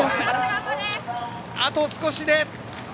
あと少しで。